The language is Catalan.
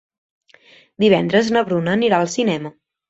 Divendres na Bruna anirà al cinema.